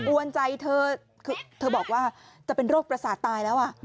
วนใจเธอคือเธอบอกว่าจะเป็นโรคประสาทตายแล้ว